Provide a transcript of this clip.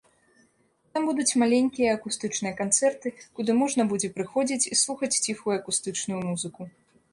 Там будуць маленькія акустычныя канцэрты, куды можна будзе прыходзіць і слухаць ціхую акустычную музыку.